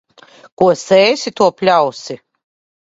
Ko sēsi, to pļausi.